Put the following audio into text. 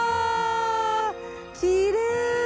きれい！